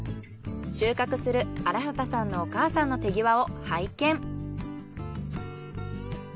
収穫する荒幡さんのお母さんの手際を拝見。